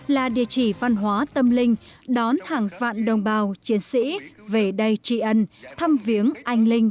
là địa chỉ văn hóa tâm linh đón hàng vạn đồng bào chiến sĩ về đây tri ân thăm viếng anh linh